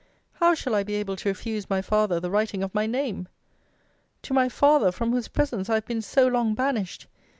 How shall I be able to refuse my father the writing of my name? To my father, from whose presence I have been so long banished!